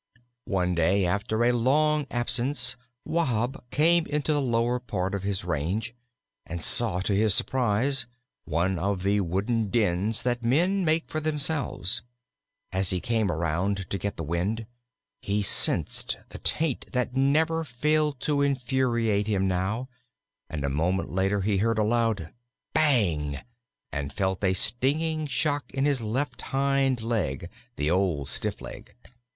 III One day after a long absence Wahb came into the lower part of his range, and saw to his surprise one of the wooden dens that men make for themselves. As he came around to get the wind, he sensed the taint that never failed to infuriate him now, and a moment later he heard a loud bang and felt a stinging shock in his left hind leg, the old stiff leg.